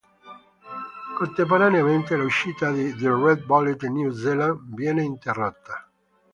Contemporaneamente l'uscita di "The Red Bulletin New Zealand" viene interrotta.